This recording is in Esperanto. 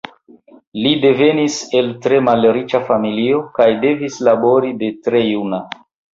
Li devenis el tre malriĉa familio kaj devis labori de tre juna.